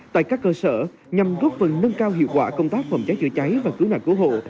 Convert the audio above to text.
tại các cơ sở nhằm góp phần nâng cao hiệu quả công tác phòng cháy chữa cháy và cứu nạn cứu hộ